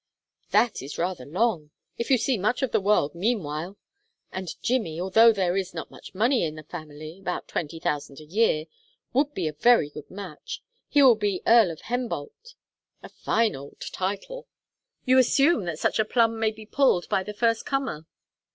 "That is rather long if you see much of the world meanwhile! And Jimmy, although there is not much money in the family about twenty thousand a year would be a very good match. He will be Earl of Hembolt a fine old title." "You assume that such a plum may be pulled by the first comer."